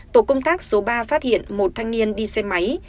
tổ công tác số ba phát hiện một thanh niên đi xe máy